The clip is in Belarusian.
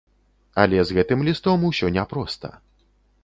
Але з гэтым лістом усё няпроста.